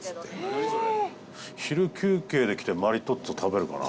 富澤：昼休憩で来てマリトッツォ食べるかな？